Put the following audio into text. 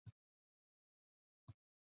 له همدې کبله پانګوال خپله ټوله پانګه نه کاروي